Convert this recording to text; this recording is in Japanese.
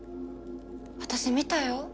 私見たよ。